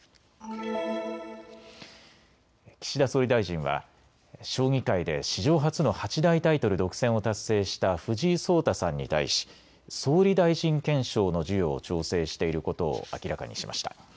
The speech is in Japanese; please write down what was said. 岸田総理大臣は将棋界で史上初の八大タイトル独占を達成した藤井聡太さんに対し総理大臣顕彰の授与を調整していることを明らかにしました。